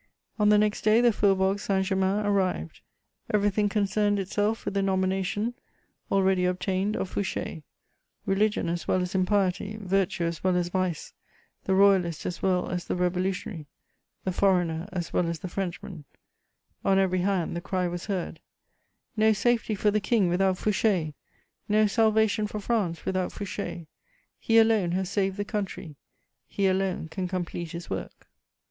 On the next day, the Faubourg Saint Germain arrived; everything concerned itself with the nomination, already obtained, of Fouché: religion as well as impiety, virtue as well as vice, the Royalist as well as the Revolutionary, the foreigner as well as the Frenchman; on every hand the cry was heard: "No safety for the King without Fouché; no salvation for France without Fouché: he alone has saved the country, he alone can complete his work."